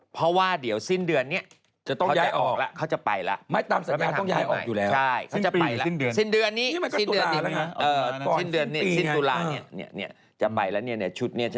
เพราะว่าเดี๋ยวสิ้นเดือนนี้จะต้องย้ายออกแล้วเขาจะไปแล้ว